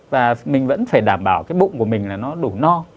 và mình vẫn phải đảm bảo cái bụng của mình là nó đủ no